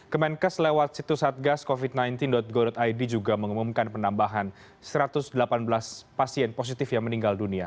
kemenkes lewat situs satgascovid sembilan belas go id juga mengumumkan penambahan satu ratus delapan belas pasien positif yang meninggal dunia